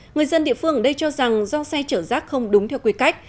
người dân địa phương ở đây cho rằng do xe chở rác không đúng theo quy cách